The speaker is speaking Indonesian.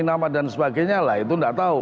nama dan sebagainya lah itu nggak tahu